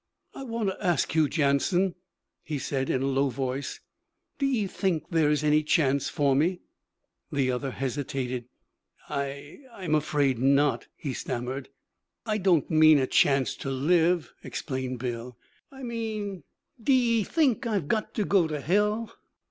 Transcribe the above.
'I want to ask you, Jansen,' he said in a low voice. 'D'ye think there is any chance for me?' The other hesitated. 'I I'm afraid not,' he stammered. 'I don't mean a chance to live,' explained Bill. 'I mean, d'ye think I've got to go to hell?'